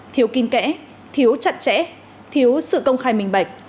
thiếu kinh kẽ thiếu chặt chẽ thiếu sự công khai minh bạch